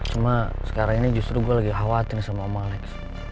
cuma sekarang ini justru gue lagi khawatir sama om alex